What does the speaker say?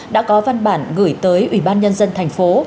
đã có văn bản gửi tới ủy ban nhân dân thành phố